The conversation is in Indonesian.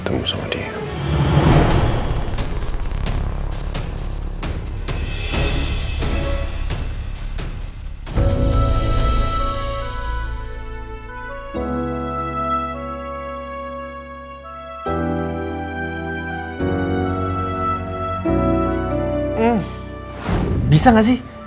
terus pagi terus ya